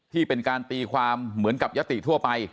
ที่เป็นการตีความเหมือนกับยติทั่วไป